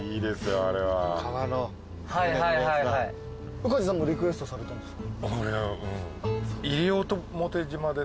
宇梶さんがリクエストされたんですか？